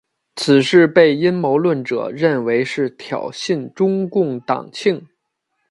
此事被阴谋论者认为是挑衅中共党庆。